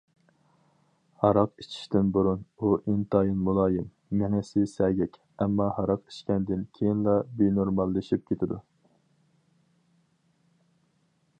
ھاراق ئىچىشتىن بۇرۇن ئۇ ئىنتايىن مۇلايىم، مېڭىسى سەگەك، ئەمما ھاراق ئىچكەندىن كېيىنلا بىنورماللىشىپ كېتىدۇ.